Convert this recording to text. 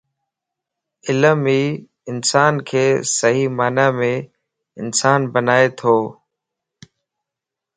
علم ئي اسانک صحيح معني مَ انسان بنائي تو